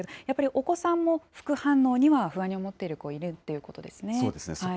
やっぱりお子さんも副反応には不安に思っている子、いるというこそうですね。